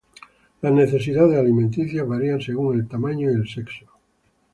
Las necesidades alimenticias varían según el tamaño y el sexo.